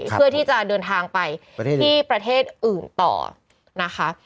เพื่อที่จะเดินทางไปที่ประเทศอื่นต่อนะคะ